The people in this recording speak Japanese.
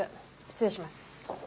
失礼します。